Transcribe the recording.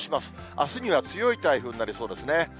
あすには強い台風になりそうですね。